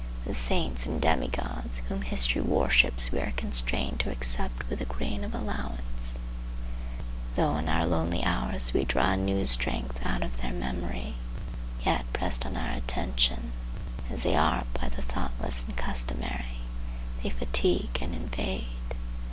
The saints and demigods whom history worships we are constrained to accept with a grain of allowance. Though in our lonely hours we draw a new strength out of their memory, yet, pressed on our attention, as they are by the thoughtless and customary, they fatigue and invade.